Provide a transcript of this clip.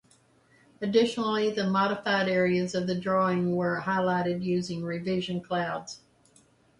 Additionally, the modified areas of the drawing were highlighted using revision clouds.